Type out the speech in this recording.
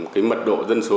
cái mật độ dân số cao